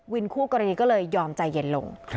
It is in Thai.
คู่กรณีก็เลยยอมใจเย็นลง